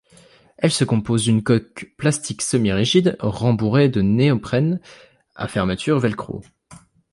Elle se composent d'une coque plastique semi-rigide rembourrées de néoprène à fermeture velcro.